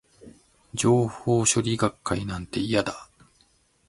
情報処理学会なんて、嫌だー